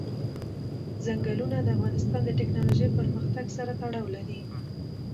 ځنګلونه د افغانستان د تکنالوژۍ پرمختګ سره تړاو لري.